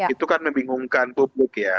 itu kan membingungkan publik ya